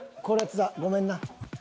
これは津田ごめんな。